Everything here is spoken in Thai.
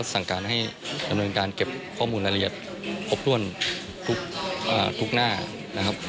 สั่งการให้ดำเนินการเก็บข้อมูลรายละเอียดครบถ้วนทุกหน้านะครับ